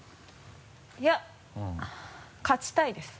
いや勝ちたいです。